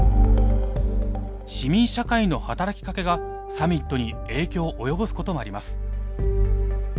市民社会の働きかけがサミットに影響を及ぼすこともあります。